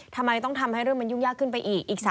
ทำไมต้องทำให้เรื่องมันยุ่งยากขึ้นไปอีก